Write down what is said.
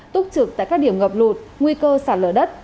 túc trực tại các điểm ngập lụt nguy cơ sạt lở đất